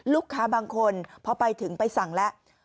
ลูกค้าบางคนพอไปถึงไปสั่งแล้ว